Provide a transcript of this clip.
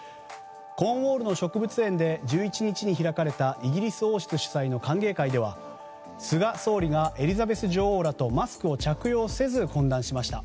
コーンウォールの植物園で１１日に開かれたイギリス王室主催の歓迎会では菅総理がエリザベス女王らとマスクを着用せず懇談しました。